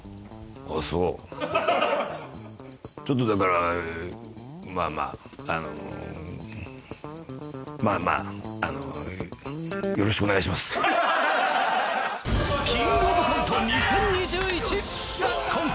あっそうちょっとだからまあまああの「キングオブコント２０２１」コント